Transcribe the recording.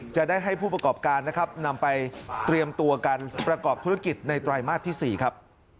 จะได้ให้ผู้ประกอบการนะครับนำไปเตรียมตัวการประกอบธุรกิจในไตรมาสที่๔ครับ